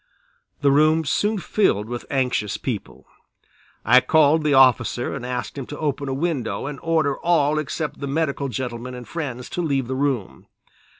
The room soon filled with anxious people. I called the officer and asked him to open a window and order all except the medical gentlemen and friends to leave the room.